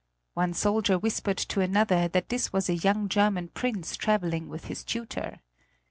One soldier whispered to another that this was a young German prince traveling with his tutor.